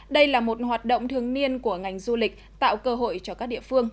đây là một hoạt động thường niên của ngành du lịch tạo cơ hội cho các địa phương